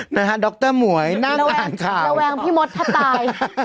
นะฮะดรหมวยนั่งอ่านข่าวระแวงพี่มดแทบตาย